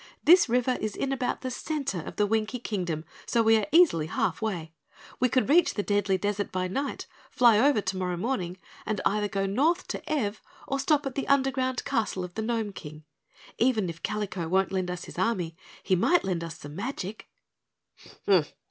"This river is in about the center of the Winkie Kingdom, so we are easily half way. We could reach the Deadly Desert by night, fly over tomorrow morning, and either go North to Ev or stop at the underground castle of the Gnome King. Even if Kalico won't lend us his army, he might lend us some magic."